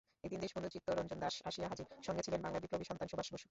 একদিন দেশবন্ধু চিত্তরঞ্জন দাশ আসিয়া হাজির, সঙ্গেছিলেন বাংলার বিপ্লবী সন্তান সুভাষ বসু।